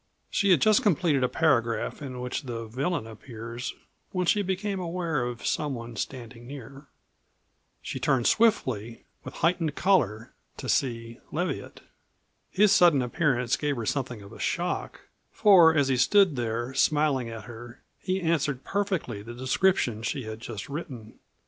She had just completed a paragraph in which the villain appears when she became aware of someone standing near. She turned swiftly, with heightened color, to see Leviatt. His sudden appearance gave her something of a shock, for as he stood there, smiling at her, he answered perfectly the description she had just written.